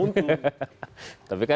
nah yang untung